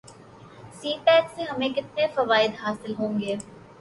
سی pack سے ہمیں کتنے فوائد حاصل ہوں گے